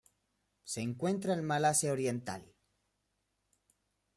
Se encuentra en Malasia Oriental.